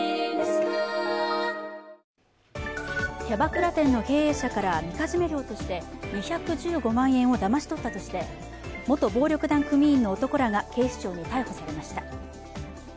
キャバクラ店の経営者からみかじめ料として２１５万円をだまし取ったとして元暴力団組員の男らが警視庁に逮捕されました。